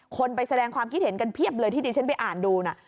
คนไปแสดงความคิดเห็นกันเพียบเลยที่ดิฉันไปอ่านดูนะ